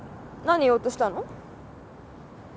何言おうとしたの？